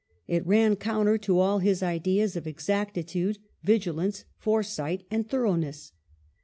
It ran counter to all his ideas of exactitude, vigilance, fore sight, and thoroughness.